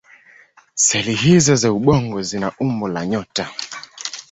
Seli hizO za ubongo zina umbo la nyota.